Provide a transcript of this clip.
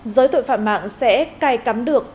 giới tội phạm mạng sẽ cài cắm được